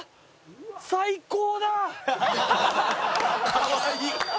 かわいい！